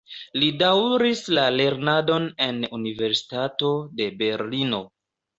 Li daŭris la lernadon en Universitato de Berlino.